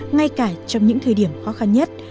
ngay cả trong những thời điểm khó khăn nhất